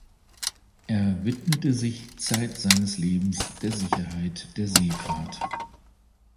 Er widmete sich zeit seines Lebens der Sicherheit der Seefahrt.